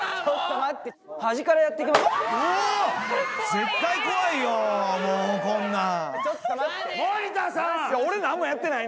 絶対怖いよもうこんなん。